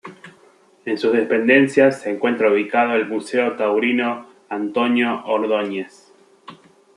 En sus dependencias se encuentra ubicado el "Museo Taurino Antonio Ordóñez".